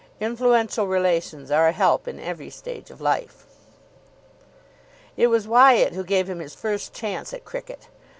Influential relations are a help in every stage of life. It was Wyatt who gave him his first chance at cricket.